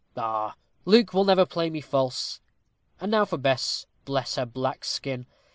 Pshaw! Luke would never play me false. And now for Bess! Bless her black skin!